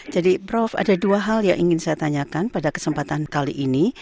jadi prof ada dua hal yang ingin saya tanyakan pada kesempatan kali ini